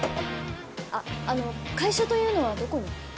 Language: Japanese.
あっあの会社というのはどこに？